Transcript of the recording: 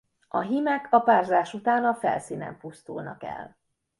A hímek a párzás után a felszínen pusztulnak el.